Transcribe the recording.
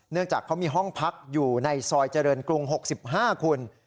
จากเขามีห้องพักอยู่ในซอยเจริญกรุง๖๕คุณ